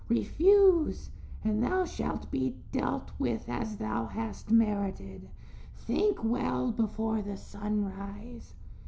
Refuse, and thou shalt be dealt with as thou hast merited. Think well before the sunrise."